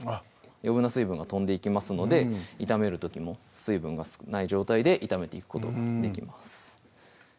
余分な水分がとんでいきますので炒める時も水分が少ない状態で炒めていくことができます